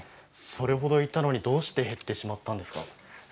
それほどいたのにどうして減ってしまったんですか。